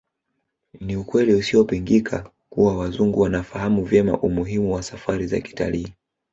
Ni ukweli usiopingika kuwa Wazungu wanafahamu vyema umuhimu wa safari za kitalii